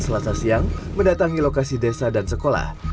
selasa siang mendatangi lokasi desa dan sekolah